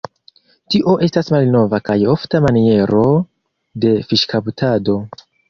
Tio estas malnova kaj ofta maniero de fiŝkaptado.